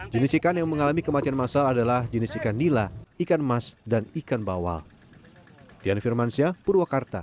jenis ikan yang mengalami kematian masal adalah jenis ikan nila ikan emas dan ikan bawal